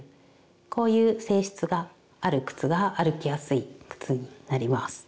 こういう性質がある靴が歩きやすい靴になります。